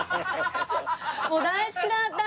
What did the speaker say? もう大好きだった！